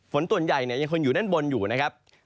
ฝนส่วนใหญ่ยังคงอยู่ด้านบนอยู่นะครับ